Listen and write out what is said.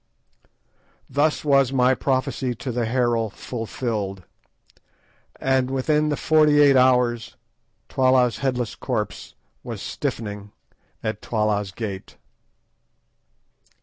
_" Thus was my prophecy to the herald fulfilled, and within the forty eight hours Twala's headless corpse was stiffening at Twala's gate.